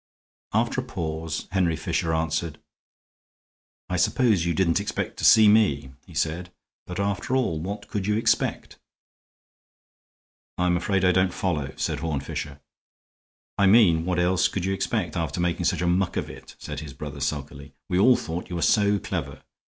After a pause Henry Fisher answered: "I suppose you didn't expect to see me," he said. "But, after all, what could you expect?"' "I'm afraid I don't follow," said Horne Fisher. "I mean what else could you expect, after making such a muck of it?" said his brother, sulkily. "We all thought you were so clever.